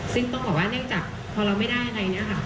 ซึ่งต้องบอกว่าเนื่องจากพอเราไม่ได้อะไรเนี่ยค่ะ